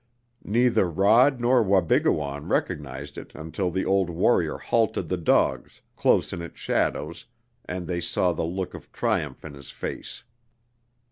Neither Rod nor Wabigoon recognized it until the old warrior halted the dogs close in its shadows and they saw the look of triumph in his face.